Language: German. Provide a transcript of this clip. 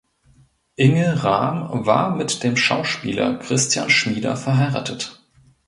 Inge Rahm war mit dem Schauspieler Christian Schmieder verheiratet.